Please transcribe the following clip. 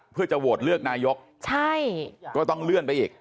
เพื่อจะโหวตเลือกนายกใช่ก็ต้องเลื่อนไปอีก